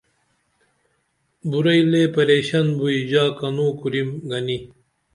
بُرعی لے پریشن بوئی ژا کنو کُریم گنی